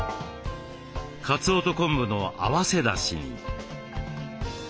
かつおと昆布の合わせだしに。